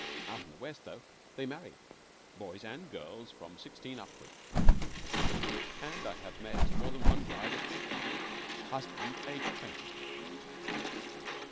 Out in the West, though, they marry, boys and girls, from sixteen upward, and I have met more than one bride of fifteen husband aged twenty.